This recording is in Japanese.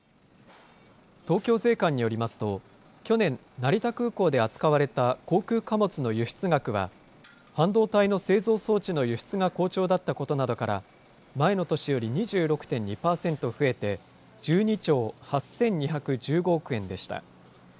東京税関によりますと、去年、成田空港で扱われた航空貨物の輸出額は、半導体の製造装置の輸出が好調だったことなどから、前の年より２６．２％増えて、１２兆８２１５億円でした。